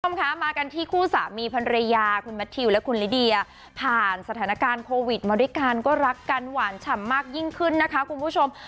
คุณผู้ชมคะมากันที่คู่สามีภรรยาคุณแมททิวและคุณลิเดียผ่านสถานการณ์โควิดมาด้วยกันก็รักกันหวานฉ่ำมากยิ่งขึ้นนะคะคุณผู้ชม